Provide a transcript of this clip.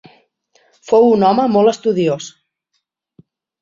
Fou un home molt estudiós.